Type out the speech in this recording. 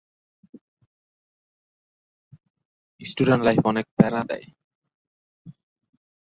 তার জন্মনাম ছিল রোহিণী ওক।